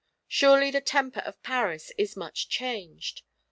Surely the temper of Paris is much changed.